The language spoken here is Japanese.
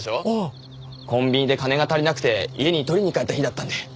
コンビニで金が足りなくて家に取りに帰った日だったんで。